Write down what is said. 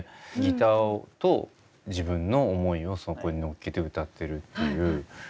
ギターと自分の思いをそこに乗っけて歌ってるっていう。